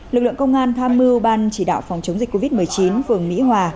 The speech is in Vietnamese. lực lượng công an tham mưu ban chỉ đạo phòng chống dịch covid một mươi chín phường mỹ hòa